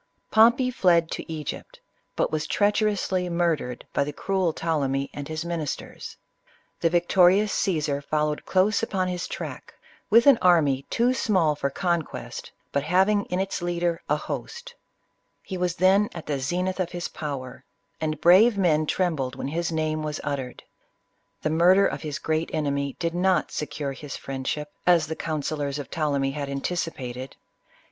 Pom pey fled to Egypt, but was treacherously murdered by the cruel Ptolemy and his ministers. The victorious Caesar followed close upon his track, with an army too small for conquest, but having in its leader a host. He was then at the zenith of hif power, and brave men trembled when his name was uttered. The mur der of his great enemy did not secure his friendship, as the counsellors of Ptolemy had anticipated : he 20 CLEOPATRA.